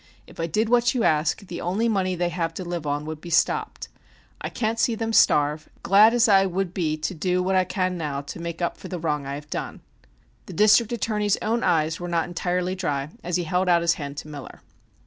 If I did what you ask, the only money they have to live on would be stopped. I can't see them starve, glad as I would be to do what I can now to make up for the wrong I have done." The District Attorney's own eyes were not entirely dry as he held out his hand to Miller.